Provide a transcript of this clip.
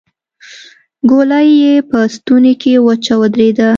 ګولۍ يې په ستونې کې وچه ودرېده.